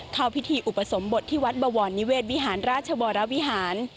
เข้าพิธีอุปสมบทที่วัดบวรนิเวศวิหารราชวรวิหาร